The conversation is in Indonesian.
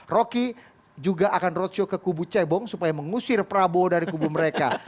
rocky juga akan roadshow ke kubu cebong supaya mengusir prabowo dari kubu mereka